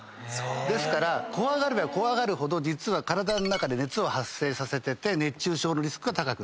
ですから怖がれば怖がるほど実は体の中で熱を発生させてて熱中症のリスクが高くなると。